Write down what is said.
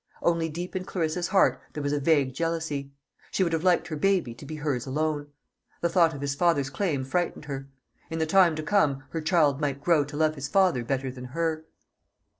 Only deep in Clarissa's heart there was a vague jealousy. She would have liked her baby to be hers alone. The thought of his father's claim frightened her. In the time to come her child might grow to love his father better than her.